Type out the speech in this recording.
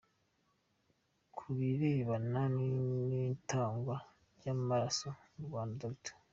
Ku birebana n’itangwa ry’amaraso mu Rwanda, Dr.